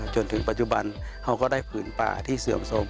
จนถึงปัจจุบันเขาก็ได้ผืนป่าที่เสื่อมสม